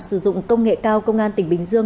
sử dụng công nghệ cao công an tỉnh bình dương